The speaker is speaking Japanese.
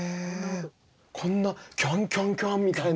こんな「キャンキャンキャン」みたいな。